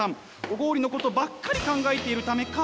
小郡のことばっかり考えているためか